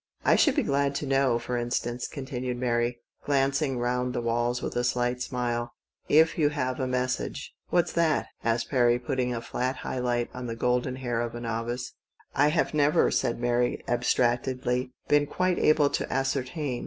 I should be glad to know, for instance," continued Mary, glancing round the walls with a slight smile, " if you have a Message ?" "What's that?" said Perry, putting a MARY GOES OUT ON A WET DAT. 195 flat high light on the golden hair of a novice. " I have never," said Mary abstractedly, ' "been quite able to ascertain.